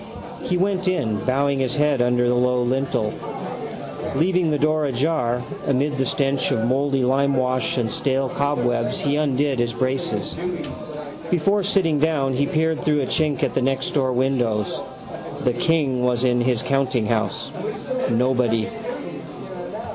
He went in, bowing his head under the low lintel. Leaving the door ajar, amid the stench of mouldy limewash and stale cobwebs he undid his braces. Before sitting down he peered through a chink up at the nextdoor windows. The king was in his countinghouse. Nobody.